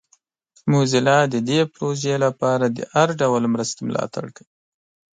موزیلا د دې پروژې لپاره د هر ډول مرستې ملاتړ کوي.